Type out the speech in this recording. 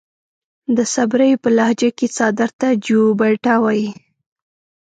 د صبريو پۀ لهجه کې څادر ته جوبټه وايي.